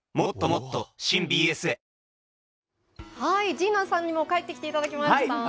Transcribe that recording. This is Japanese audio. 陣内さんにも帰ってきていただきました。